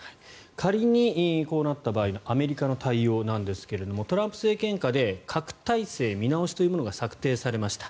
仮にこうなった場合のアメリカの対応なんですがトランプ政権下で核態勢見直しというものが策定されました。